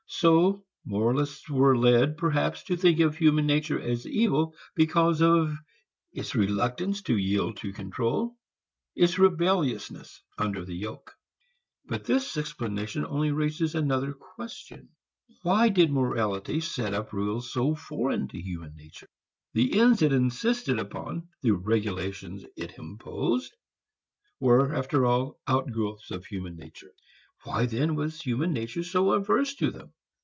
So moralists were led, perhaps, to think of human nature as evil because of its reluctance to yield to control, its rebelliousness under the yoke. But this explanation only raises another question. Why did morality set up rules so foreign to human nature? The ends it insisted upon, the regulations it imposed, were after all outgrowths of human nature. Why then was human nature so averse to them?